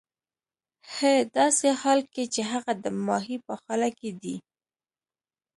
ه داسې حال کې چې هغه د ماهي په خوله کې دی